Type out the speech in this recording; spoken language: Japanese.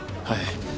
はい。